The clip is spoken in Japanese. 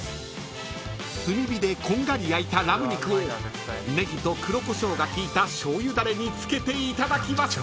［炭火でこんがり焼いたラム肉をネギと黒コショウがきいたしょうゆダレにつけていただきます］